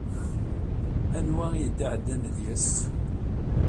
Anwa ay d-iɛeddan deg-s?